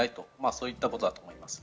そういったことだと思います。